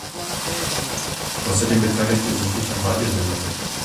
Außerdem beteiligte sie sich an Radiosendungen.